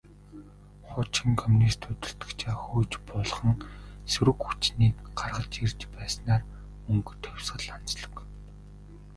Хуучин коммунист удирдагчдаа хөөж буулган, сөрөг хүчнийг гаргаж ирж байснаараа «Өнгөт хувьсгал» онцлог.